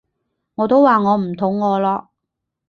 我都話我唔肚餓咯